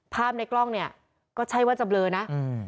ภาพในกล้องเนี่ยก็ใช่ว่าจะเบลอนะอืม